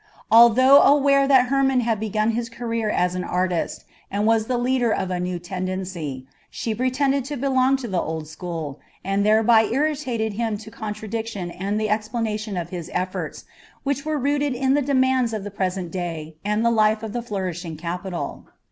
Although aware that Hermon had begun his career as an artist, and was the leader of a new tendency, she pretended to belong to the old school, and thereby irritated him to contradiction and the explanation of his efforts, which were rooted in the demands of the present day and the life of the flourishing capital.